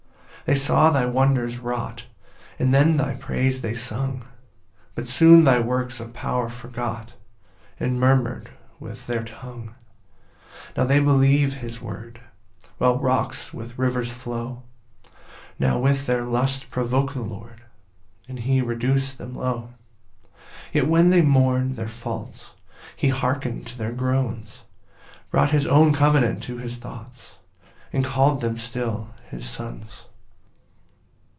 2 They saw thy wonders wrought, And then thy praise they sung; But soon thy works of power forgot, And murmur'd with their tongue. 3 Now they believe his word, While rocks with rivers flow; Now with their lusts provoke the Lord, And he reduc'd them low. 4 Yet when they mourn'd their faults, He hearken'd to their groans, Brought his own covenant to his thoughts, And call'd them still his sons.